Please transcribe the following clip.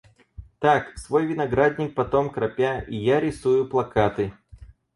Так, свой виноградник потом кропя, и я рисую плакаты.